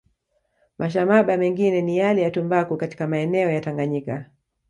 Mashamaba mengine ni yale ya Tumbaku katika maeneo ya Tanganyika